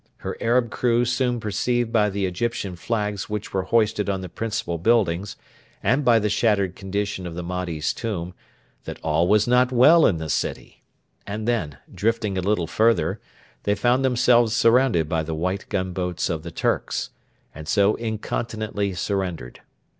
Her Arab crew soon perceived by the Egyptian flags which were hoisted on the principal buildings, and by the battered condition of the Mahdi's Tomb, that all was not well in the city; and then, drifting a little further, they found themselves surrounded by the white gunboats of the 'Turks,' and so incontinently surrendered.